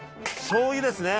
しょうゆですね。